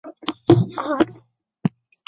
史迪威博物馆是重庆重要的陪都遗迹。